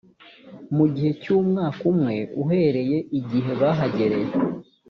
mu gihe cy umwaka umwe uhereye igihe bahagereye